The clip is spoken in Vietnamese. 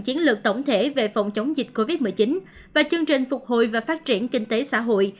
chiến lược tổng thể về phòng chống dịch covid một mươi chín và chương trình phục hồi và phát triển kinh tế xã hội